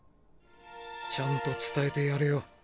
ちゃんと伝えてやれよ。